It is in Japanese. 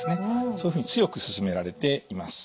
そういうふうに強く勧められています。